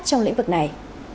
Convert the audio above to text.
trong lĩnh vực này